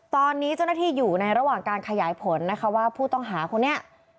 ตอนนี้เจ้าหน้าที่อยู่ในระหว่างการขยายผลนะคะว่าผู้ต้องหาคนนี้